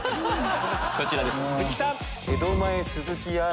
こちらです。